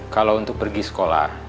kalau untuk pergi sekolah